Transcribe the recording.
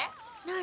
何？